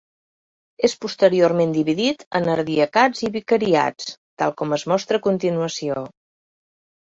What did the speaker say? És posteriorment dividit en ardiacats i vicariats, tal com es mostra a continuació.